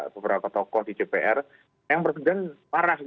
beberapa tokoh di dpr yang presiden parah